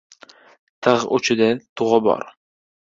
Tig‘ uchida tug‘i bor.